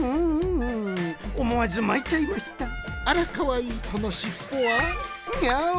おもわずまいちゃいましたあらかわいいこのしっぽはニャオ！